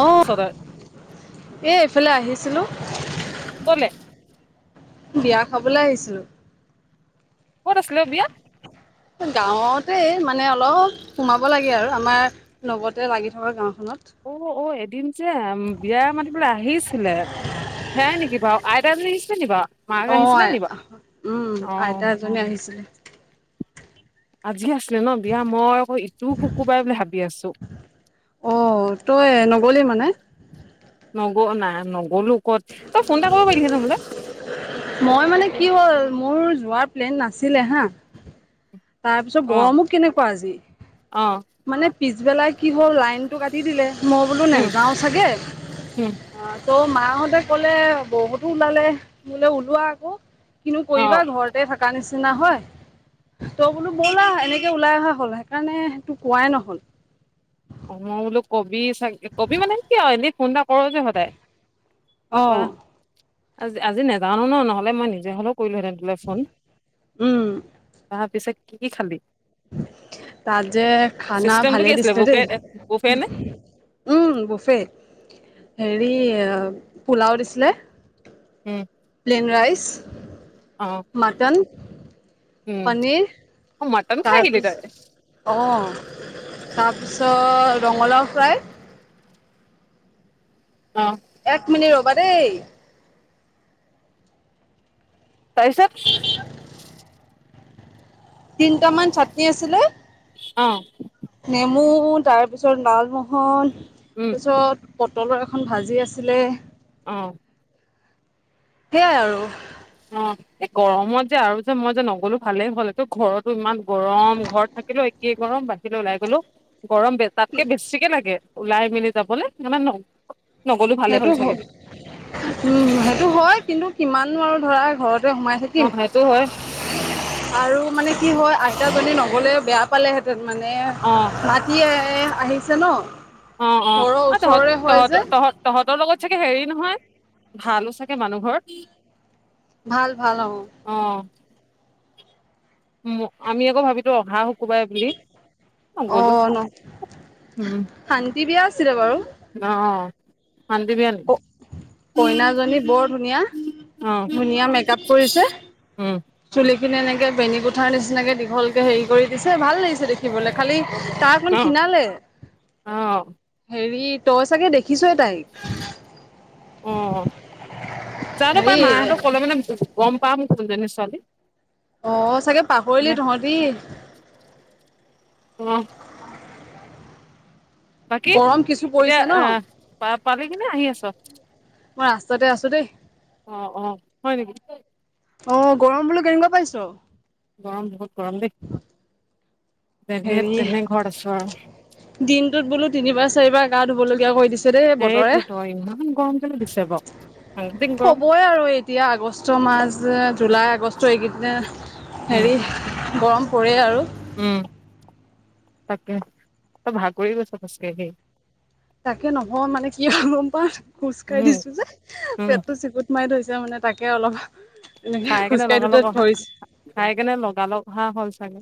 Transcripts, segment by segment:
অ ওচৰত এ এইফালে আহিছিলো কলে বিয়া খাবলৈ আহিছো কত আছিলে অ বিয়া গাঁৱতে মানে অলপ সোমাব লাগে আৰু আমাৰ লগতে লাগি থকা গাওঁ অ অ এদিন যে বিয়া মাতিবলে আহিছিলে সেয়াই নেকি বাৰু আইটা এজনি আহিছিলে নি বাও আহ উম আইতা এজনী আহিছিলে আজি আছিলে ন বিয়া মই আকৌ ইটো শুকুবাৰে বুলি ভাবি আছো অ তই নগলী নগ না নগলো ক'ত তই ফোন এটা কৰিব পাৰিলি হেতেন মোলে মই মানে কি হ'ল মোৰ যোৱাৰ প্লেন নাছিলে হা তাৰ পিছত অ গৰমো কেনেকুৱা আজি অ মানে পিছবেলাই কি হ'ল লাইনটো কাটি দিলে মই বোলো উম নাযাওঁ উম চাগে তৌ মাহঁতে কলে বৌহতো ওলালে বোলে ওলোৱা ক কিনো অ কৰিবা ঘৰতে থকা নিচিনা হয় ত বোলো ব'লা এনেকে ওলাই অহা হ'ল সেইকাৰণে তোক কোৱাই নহল অ মই বোলো কবি চাগে কবি মানে কি আৰু এনেই ফোন এটা কৰ যে সদায় অ তাৰপৰা আজি আজি নেজানো ন নহলে মই নিজে হলো কৰিলোহেঁতেন তোলে ফোন উম তাৰ পিছত কি কি খালি তাত যে খানা চিষ্টেমটো ভালে কি আছিলে দিছিলে বুকে দেই বুফে নে উম বফে হেৰি পোলাও দিছিলে উম প্লেন ৰাইচ অ মাটন উম পনীৰ অ মটন খাই আহিলি তাৰপিছ তই অ ত তাৰপিছত ৰঙালাও ফ্ৰাই অ এক মিনিট ৰবা দেই তাৰপিছত তিনটামান চাটনি আছিলে অঁ নেমু তাৰপিছত লালমোহন উম তাৰপিছত তলৰ এখন ভাজি আছিলে আহঁ সেইয়াই আৰু অঁ গৰমত যে আৰু যে মই যে নগলো ভালেই হ'লটো ঘৰতো ইমান গৰম ঘৰত থাকিলো একেই গৰম বাহিৰলে ওলাই গলো গৰম বে তাতকে বেছিকে লাগে ওলাই মেলি যাবলৈ মানে সেইটো উম সেইটো হয় কিন্তু কিমান আৰু ধৰা ঘৰত সোমাই অ থাকিম সেইটো হয় আৰু মানে কি হয় আইতাজনী নগ'লে বেয়া পালেহেতেন মানে অ মাতি ন অঁ অঁ ঘৰৰ তহতঁক ওচৰৰে হয় যে তহতঁক তহতঁক তহতঁক। তহঁতৰ লগত চাগে হেৰি নহয় ভালো চাগে মানুহ ঘৰ ভাল ভাল অঁ অ আমি আকৌ ভাবিলো অহা শুকোবাই বুলি অ নগলো ন উম শান্তি বিয়া আছিলে বাৰু অঁ শান্তি বিয়া নেকি কইনাজনী বৰ ধুনীয়া অ ধুনীয়া মেকআপ কৰিছে উম চুলি খিনি এনেকে বেনী কোঠাৰ নিচিনাকে দীঘলকে হেৰি কৰি দিছে ভাল লাগিছে দেখিবলৈ খালি তাৰ অকমান অ ক্ষিণালে অ হেৰিত তই চাগে দেখিছে তাই অঁ যা পাই হেৰি মাহঁতক কলে মানে গম পাম কোনজনে ছোৱালী অঁ চাগে মানে পাহৰিলি তহঁতি উম বাকী গৰম কিছু এতিয়া পৰিছে ন আহ প পালি কিনে আহি আছ মই ৰাস্তাতে আছো দেই অঁ অঁ হয় নেকি অঁ গৰম বোলো কেনেকোৱা পাইছ গৰম বহুত গৰম দেই যেনে হেৰি তেনে ঘৰত আছো আৰু দিনটোত বোলো তিনিবাৰ চাৰিবাৰ গা ধুব লগগীয়া কৰি দিছে দেই বতৰে সেইটো তই ইমান গম কেলে দিছে ব হ'বই আৰু এতিয়া আগষ্ট মা যে জুলাই আগষ্ট এইকেইদনা উম হেৰি গৰম পৰে আৰু উম তাকে ত ভাগৰি গৈছো খোজ কাঢ়ি কাঢ়ি তাকে নহয় মানে কি গম পা খোজ কাঢ়ি উম দিছো যে উম পেটটো চিকুত মাৰি ধৰিছে মানে তাকে অলপ এনেকে খাই কেনে খোজকাঢ়ি দিওঁতে লগালক ধৰিছে খাই কেনে লগাল হাঁহ হল চাগে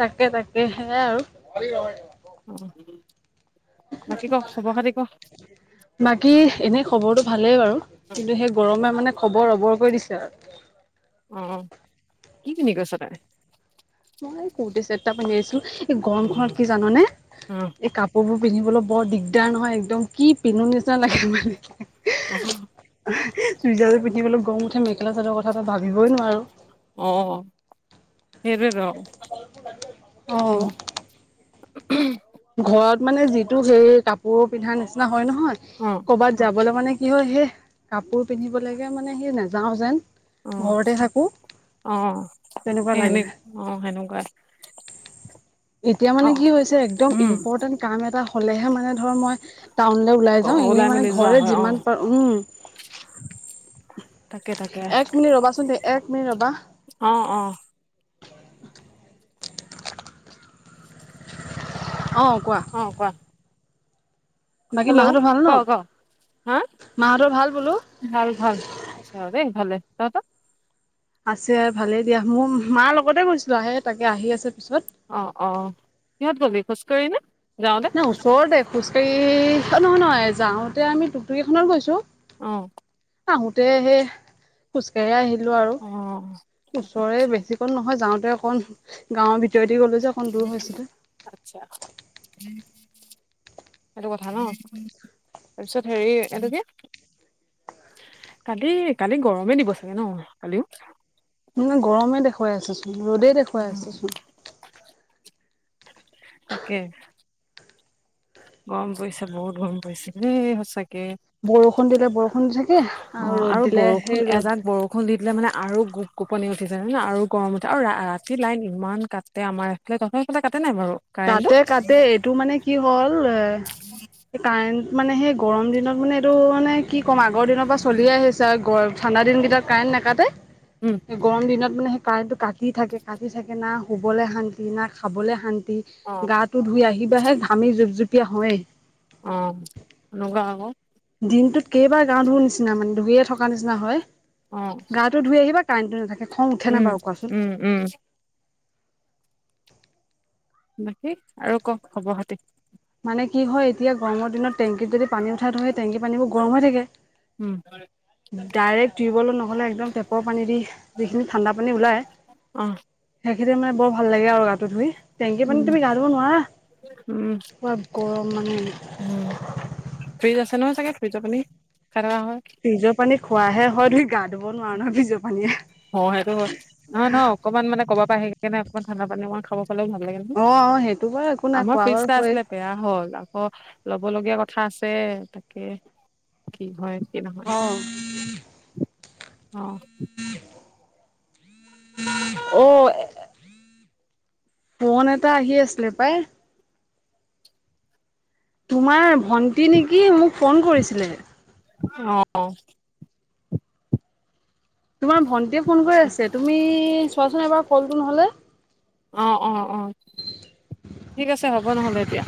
তাকে তাকে সেয়াই আৰু অঁ বাকী ক খবৰ খাতি ক বাকী এনে খবৰটো ভালেই বাৰু কিন্তু সেই গৰমে মানে খবৰ ৰবৰ [unintelligible] আহ পিন্ধি গৈছ তই ম কুৰ্তি চেট এটা পিন্ধি আহিছো এই অ গৰম ঘৰত কি জাননে অ এই কাপোৰ বোৰ পিন্ধিবলৈ বৰ দিগদাৰ নহয় একদম কি পিন্ধো নিচিনা লাগে মানে উম চুইজাযোৰ পিন্ধিবলৈ গম উঠে মেখেল চাদৰ কথা এটা ভাবিবই নোৱাৰো অ সেইটোৱেত অঁ [unintelligible] ঘৰত মানে যিটো সেই কাপোৰ পিন্ধাৰ নিচিনা হয় নহয় অ', কৰবাত যাবলে মানে কি হয় সেই কাপোৰ পিন্ধিব লাগে মানে হেই নাযাওঁ যেন অ', ঘৰতে থাকোঁ। অ তেনেকুৱা সেই সেনে লাগে অ সেনেকুৱা। এতিয়া মানে কি হৈছে একদম উম, ইম্পৰ্টেন্ট কাম এটা হলেহে মানে ধৰ মই টাউনলে ওলাই যাও এনেই মানে মেলি যোৱা ঘৰে হয় অ', যিমান পাৰো উম তাকে তাকে এক মিনিট ৰবাচোন দে এক মিনিট ৰবা। অ', অ', অ কোৱা অ কোৱা। বাকী হেল্ল' মাহতৰ ভাল ক ন? ক হা মাহঁতৰ ভাল বোলো ভাল ভাল আছে দেই ভালে। তহতৰ? আছে ভালেই দিয়া মোৰ মাৰ লগতে গৈছিলো আহে তাকে আহি আছে পিছত অ অ কিহত গলি খোজকাঢ়ি নে? যাওঁতে নাই ওচৰতে খোজকাঢ়ি নহয় নহয় যাওঁতে আমি টোকটোকি খনত গৈছো। অহ আহোতে সে খোজকঢ়ি আহিলো। আৰু অ', ওচৰে আচ্ছা বেছি কন নহয় যাওঁতে অকন গাঁৱৰ ভিত ভিতৰে দি গ'লো যে অকণ দূৰ হৈছিলে। আচ্ছা সেইটো কথা ন। তাৰপিছত হেৰি এইটো কি? কালি কালি গৰমেই দিব চাগে ন কালিও? মানে গৰমে দেখুৱাই আছেচোন ৰ'দেই দেখুৱাই আছে। তাকে গৰম পৰিছে বহুত গৰম পৰিছে দেই সঁচাকে। বৰষুণ দিলে কে বৰষুণ দি থাকে অ ৰ'দ আৰু দিলে বৰষুণ সেই ৰ'দ এজাক বৰষুণ দি দিলে মানে আৰু গোপ গোপনি উঠি যায় ন আৰু গৰম উঠে আৰু ৰাতি লাইন ইমান কাটে আমাৰ এইফালে তহঁতৰ সেইফালে কাট কাটে কাটে এইটো মানে কি হ'ল এ কাৰেণ্ট মানে সেই গৰম দিনত মানে এইটো মানে কি ক'ম আগৰ দিনৰ পৰা চলিয়ে আহিছে আৰু গ ঠাণ্ডা দিনকেইটাত কাৰেণ্ট নাকাটে উম গৰম দিনত মানে সেই কাৰেণ্টো কাটি থাকে কাটি থাকে না শুবলৈ শান্তি না খাবলে শান্তি। অ গাটো ধুই আহিবাহে ঘামি জোপ জোপীয়া হয়য়েই। অ এনেকোৱা আকৈ। দিনটোত কেইবাৰ গা ধুও নিচিনা মানে ধুইয়ে থকা নিচিনা হয় অ গাটো ধুই আহিবা কাৰেন্টে নাথাকে খং উঠে নাই উম বাৰু কোৱাচোন। উম উম বাকী আৰু কওক খবৰ খাতি। মানে কি হয় এতিয়া গৰমৰ দিনত টেংকীত যদি পানী উঠাই ধৰেে টেংকী পানীবোৰ গৰম হৈ থাকে। উম ডাইৰেক্ট টিউবেলৰ নহলে একদম টেপৰ পানী দি যিখিনি ঠাণ্ডা পানী ওলায় অঁ তেতিয়া মানে বৰ ভাল লাগে আৰু গাটো ধুই টেংকি পানী উম তুমি গা ধুব নোৱাৰা। উম পোৰা গৰম মানে। এনেও চাগে ফ্ৰীজৰ পানী খাই থকা হয় ফ্ৰীজৰ পানী খোৱাহে হয় তুমি গা ধুব নোৱাৰা নহয় ফ্ৰীজৰ অ সেইটো হয় নহয় নহয় অকনমান মানে ক'বাৰ পৰা আহি কিনে অকণমান ঠাণ্ডা পানী মই খাব ভাল লাগে দিয়াচোন অ অ সেইটো বাৰু একো নাই আমাৰ খোৱা ফ্ৰীজ বাৰু এটা হয় আছিলে বেয়া হল আকৌ ল'ব লগীয়া কথা আছে। তাকে কি হয়? কি নহয় অ। [unintelligible] অ ফোন এটা আহি আছিলে পাই। তোমাৰ ভন্টি নেকি? মোক ফোন কৰিছিলে। অ তোমাৰ ভন্টিয়ে ফোন কৰি আছে তুমি চোৱাচোন এবাৰ কলটো নহলে। অ', অ', অ', ঠিক আছে হ'ব নহ'লে এতিয়া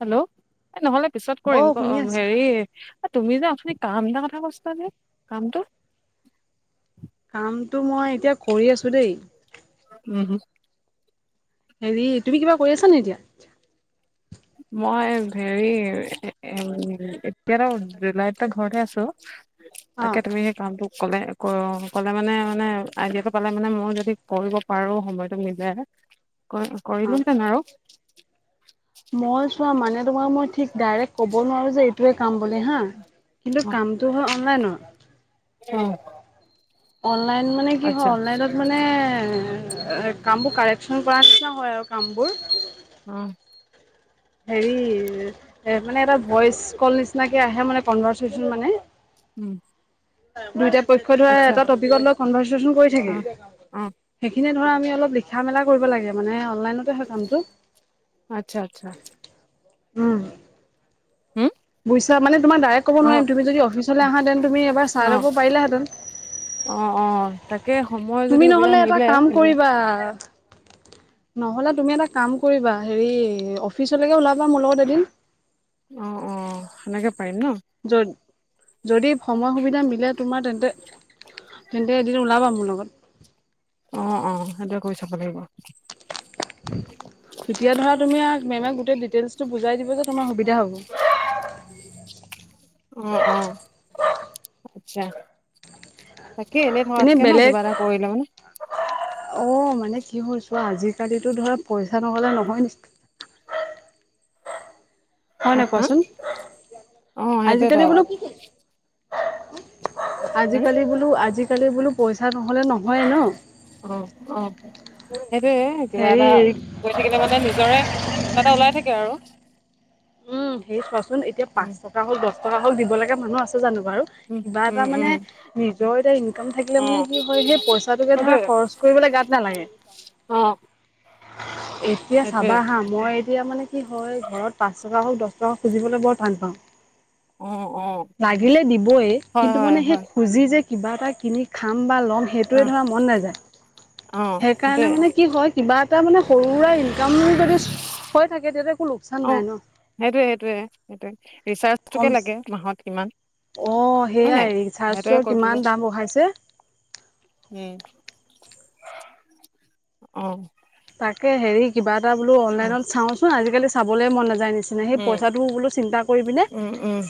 হেল্ল' এই নহ'লে পিছত অ কৰিম শুনি আছো হেৰি। তুমি যে আথনি কাম এটা কথা কৈছিলা যে কামটো। কামটো মই এতিয়া কৰি আছো দেই। উম হু হেৰি তুমি কিবা কৰি আছ নে এতিয়া। মই হেৰি এতিয়া জুলাইত ঘৰতে আছো। অ তাকে তুমি এই কামটো। কলে কলে মানে মানে আইডিয়াটো পালে মানে মই যদি কৰিব পাৰো সময়টো মিলে। অ কৰিলোতেন আৰু। মই চোৱা মানে তোমাক মই ঠিক ডাইৰেক্ট ক'ব নোৱাৰো যে এইটোৱে কাম। মানে হা কিন্তু কামটো হ অনলাইনৰ। অ অনলাইন মানে কি হয় আচ্ছা অনলাইনত মানে। কামবোৰ কাৰেকশ্যন কৰা নিছিনা হয় আৰু কামবোৰ। উম হেৰি মানে এটা ভইচ কল নিচিনাকে আহে মানে কনভাৰ্চ হৈ মানে। উম দুটা পক্ষ ধৰা আচ্ছা এটা টপিকতত কনভাৰ্চচন কৰি থাকে অ', অ', সেইখিনি। ধৰা আমি অলপ লিখা মেলা কৰিব লাগে মানে। অনলাইনতে হয় কামটো আচ্ছা আচ্ছা। উম হম তোমাৰ ডাইৰেক্ট ক'ব অ', নোৱাৰিম তুমি যদি অফিচলৈ আহা দেন তুমি এবাৰ চাই অ', লব পাৰিলাহেঁতেন? অ অ তাকে সময় যদি তুমি সুবিধা নহ'লে এটা মিলে কাম কৰিবা নহলে তুমি এটা কাম কৰিবা হেৰি অফিচলৈকে ওলাবা মোৰ লগত এদিন। অ', অ', সেনেকে পাৰিম ন। য'ত যদি সময় সুবিধা মিলে তোমাৰ তেন্তে তেন্তে এদিন ওলাবা মোৰ লগত। অ অ সেইটোৱে কৰি চাব লাগিব? তেতিয়া ধৰা তুমি মেমক গোটেই ডিটেইলচ। বুজাই দিব যে তোমাৰ সুবিধা হ'ব। উ অ আচ্ছা। তাকে এনে এনেই থকাতকে ন বেলেগ কিবা এটা কৰিলও ন। অ মানে কি হৈছো আজিকালিতো ধৰা পইচা নহলে নহয় নেকি। হয় নে কোৱাচোন অ', সেইটোৱেতো আজিকালি বোলো আজিকালি বোলো -আজিকালি বোলো? পইচা নহ'লে নহয়ে ন অ অ সেইটয়ে কিবা এটা হেৰি কৰি থাকিলে মানে নিজৰে কিবা এটা ওলাই থাকে আৰু। উম হেৰি চোৱাচোন এতিয়া উম, পাঁচ টকা হওক দহ টকা হওক দিবলগীয়া মানুহ আছে জানো। বাৰু উম, কিবা উম, এটা উম, মানে নিজৰ এটা ইনকাম থাকিলে মানে অ', কি হয়গে পইচা টোকে ধৰা খৰচ ফুৰিবলে গাত নালাগে। অঁ এতিয়া চাবা হা মই এতিয়া মানে কি হয় ঘৰত পাচ। দ টকা হওক দহ টকাওক খুজিবলৈ বৰ টান পাওঁ। অ', অ', লাগিলে দিবই হয়, কিন্তু হয়, মানে সেই হয়, খুজি যে। কিবা এটা কিনি খাম বা ল'ম সেইটোৱে অ', ধৰা মন নাযায় অ', সেইকাৰণে সেইটোৱে মানে কি হয়। কিবা এটা মানে সৰু সুৰা ইনকাম যদি হৈ থাকে তেতিয়া একো লোকচান নাই অ', ন। সেইটোৱে- সেইটোয়ে সেইটো কম ৰিচাৰ্জটোকে লাগে মাহত কিমান। অ হয় সেয়াই নাই হেৰি চাৰ্জটোৰ কিমান দাম বঢ়াইছে? উম অ। তাকে হেৰি কিবা এটা বোলো অ অনলাইনত চাওঁচোন আজিকালি চাবলে মন নাযায় যায় নিচিনা সেই পইচাটো বোলো চিন্তা কৰি পিনে, উম উম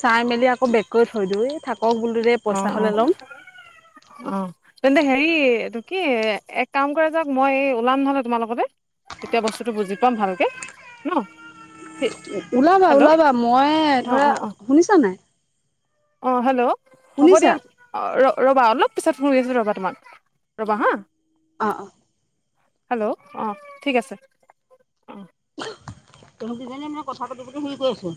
চাই মেলি আকৌ বেগ কৰি থৈ দিওঁ ই থাক অহ অহ অহ তেন্তে হেৰি এটো কি এক কাম কৰে যাওক মই ওলাম নহলে তোমাৰ লগতে। এতিয়া বস্তুটো বুজি পাম ভালকে ন! ওলাবা- হেল্ল' ওলাবা মই অ ধৰা অ অ শুনিছা নাই? অ হেল্ল' হ'ব শুনিছা দিয়া। ৰ'বা অলপ পিছত ফোন কৰি আছো ৰ'বা তোমাক, ৰ'বা হা। অ অ হেল্ল' অ ঠিক আছে অ তহত দুজনীয়ে মে কথা পাতি পাতি হেই কৰি আছে